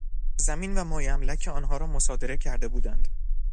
زمین و مایملک آنها را مصادره کرده بودند.